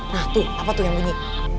nah tuh apa tuh yang bunyi